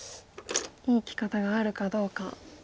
いい生き方があるかどうか。